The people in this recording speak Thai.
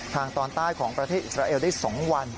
ทางตอนใต้ของประเทศอิสราเอลได้๒วัน